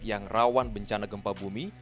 yang rawan bencana gempa bumi